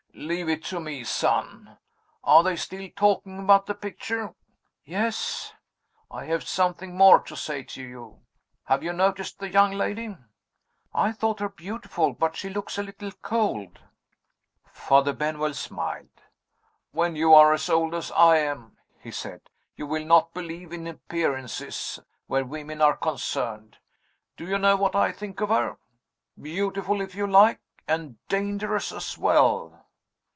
"Leave it to me, son! Are they still talking about the picture?" "Yes." "I have something more to say to you. Have you noticed the young lady?" "I thought her beautiful but she looks a little cold." Father Benwell smiled. "When you are as old as I am," he said, "you will not believe in appearances where women are concerned. Do you know what I think of her? Beautiful, if you like and dangerous as well."